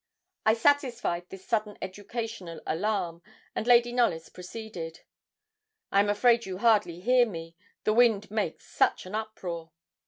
I satisfied this sudden educational alarm, and Lady Knollys proceeded. 'I am afraid you hardly hear me, the wind makes such an uproar.